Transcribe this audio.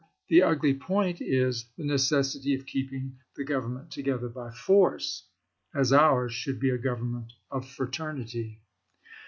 The ugly point is the necessity of keeping the Government together by force, as ours should be a government of fraternity."